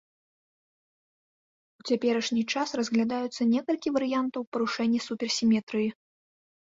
У цяперашні час разглядаюцца некалькі варыянтаў парушэнні суперсіметрыі.